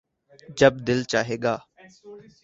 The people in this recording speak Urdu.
جب دل چاھے گا